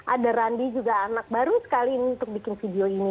ada randi juga anak baru sekali ini untuk bikin video ini